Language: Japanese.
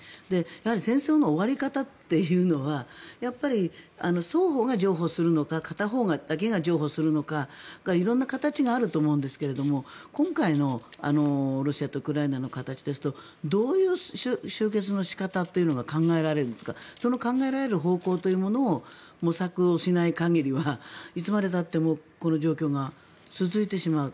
やはり戦争の終わり方というのは双方が譲歩するのか片方だけが譲歩するのか色んな形があると思うんですが今回のロシアとウクライナの形ですとどういう終結の仕方というのが考えられるんですかその考えられる方向というものを模索しない限りはいつまでたってもこの状況が続いています。